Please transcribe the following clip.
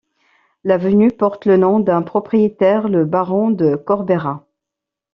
L'avenue porte le nom d'un propriétaire, le baron de Corbera.